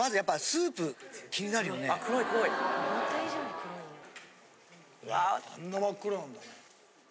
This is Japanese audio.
こんな真っ黒なんだ。